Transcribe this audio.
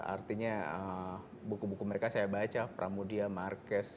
artinya buku buku mereka saya baca pramudia marquez